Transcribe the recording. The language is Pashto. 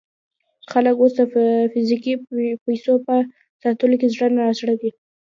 خلک اوس د فزیکي پیسو په ساتلو کې زړه نا زړه دي.